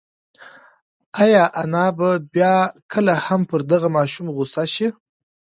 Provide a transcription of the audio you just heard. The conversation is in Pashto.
ایا انا به بیا کله هم پر دغه ماشوم غوسه شي؟